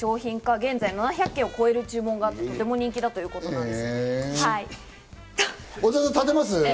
現在は７００件を超える注文があって、人気だということです。